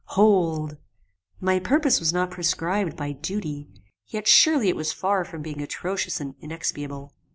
hold!" My purpose was not prescribed by duty, yet surely it was far from being atrocious and inexpiable.